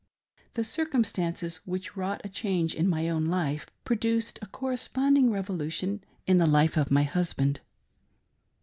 The circumstances which wrought a change in my own life produced a corresponding revolution in the life of my husband.